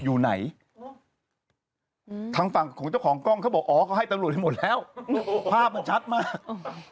อยู่ไหนทางฝั่งของเจ้าของกล้องเขาบอกอ๋อเขาให้ตำรวจไปหมดแล้วภาพมันชัดมาก